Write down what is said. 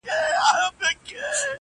o ځكه ځوانان ورانوي ځكه يې زړگي ورانوي.